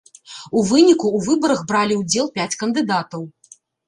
У выніку ў выбарах бралі ўдзел пяць кандыдатаў.